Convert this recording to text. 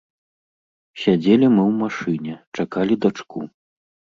Сядзелі мы ў машыне, чакалі дачку.